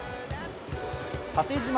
縦じま